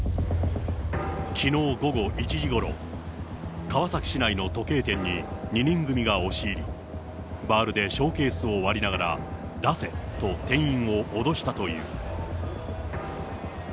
きのう午後１時ごろ、川崎市内の時計店に２人組が押し入り、バールでショーケースを割りながら、出せと店員を脅したという。